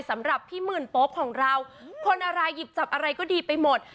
สำหรับพี่หมื่นโป๊ปของเราคนอะไรหยิบจับอะไรก็ดีไปหมด